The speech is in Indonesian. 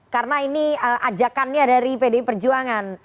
karena ini ajakannya dari pdi perjuangan